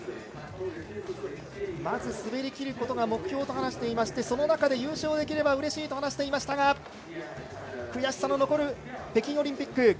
まず滑りきることが目標と話していてその中で優勝できればうれしいと話していましたが悔しさの残る北京オリンピック